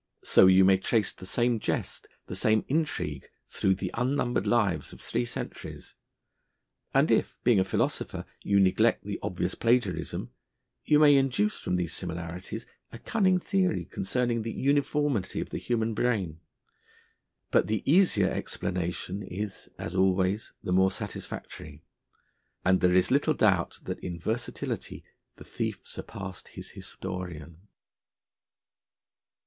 So you may trace the same jest, the same intrigue through the unnumbered lives of three centuries. And if, being a philosopher, you neglect the obvious plagiarism, you may induce from these similarities a cunning theory concerning the uniformity of the human brain. But the easier explanation is, as always, the more satisfactory; and there is little doubt that in versatility the thief surpassed his historian.